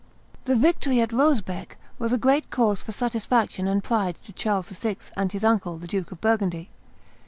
The victory of Rosebecque was a great cause for satisfaction and pride to Charles VI. and his uncle, the Duke of Burgundy.